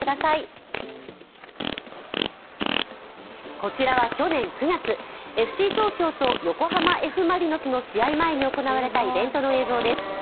こちらは去年９月ＦＣ東京と横浜Ｆ・マリノスの試合前に行われたイベントの様子です。